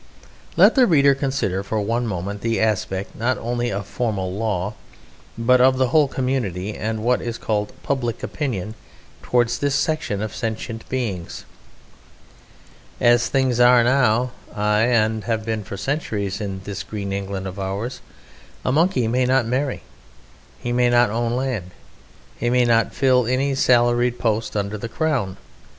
Let the reader consider for one moment the aspect not only of formal law but of the whole community, and of what is called "public opinion" towards this section of sentient beings. As things now are aye! and have been for centuries in this green England of ours a Monkey may not marry; he may not own land; he may not fill any salaried post under the Crown.